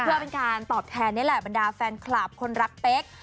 เพื่อเป็นการตอบแทนนี่แหละบรรดาแฟนคลับคนรักเป๊ก